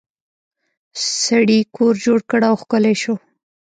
سړي کور جوړ کړ او ښکلی شو.